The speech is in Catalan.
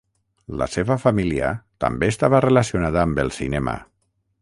La seva família també estava relacionada amb el cinema.